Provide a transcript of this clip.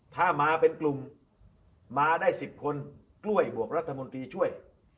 ถ้ามาเป็นกลุ่มมาได้๑๐คนกล้วยบวกรัฐมนตรีช่วย